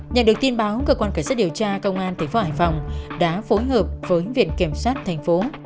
nhận được tin báo cơ quan cảnh sát điều tra công an tp hải phòng đã phối hợp với viện kiểm soát thành phố